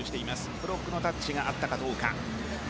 ブロックのタッチがあったかどうか。